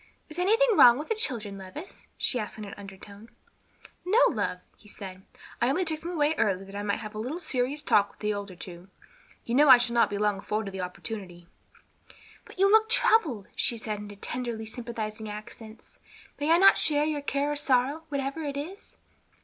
"Is anything wrong with the children, Levis?" she asked in an undertone. "No, love," he said; "I took them away early that I might have a little serious talk with the older two. You know I shall not long be afforded the opportunity." "But you look troubled," she said, in tenderly sympathizing accents. "May I not share your care or sorrow, whatever it is?"